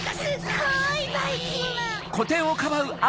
すっごいばいきんまん！